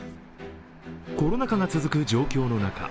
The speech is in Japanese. コロナ禍が続く状況の中